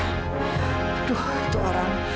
aduh itu orang